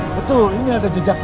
betul ini ada jejaknya